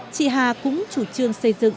chị hà cũng chủ trương xây dựng